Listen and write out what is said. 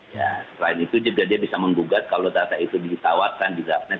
ya selain itu dia bisa mengugat kalau data itu ditawarkan di gapnet